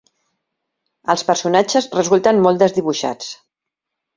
Els personatges resulten molt desdibuixats.